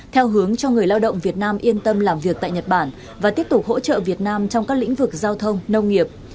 theo hướng cho người lao động việt nam yên tâm làm việc tại nhật bản và tiếp tục hỗ trợ việt nam trong các lĩnh vực giao thông nông nghiệp